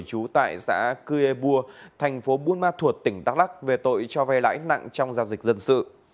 trú tại xã cư e bua thành phố buôn ma thuột tỉnh đắk lắc về tội cho vay lãnh nặng trong giao dịch dân sự